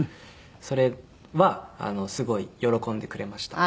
それはすごい喜んでくれました。